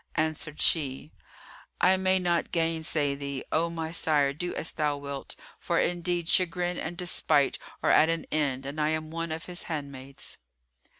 Answered she, "I may not gainsay thee, O my sire do as thou wilt, for indeed chagrin and despite are at an end, and I am one of his handmaids."